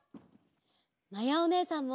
まやおねえさんも！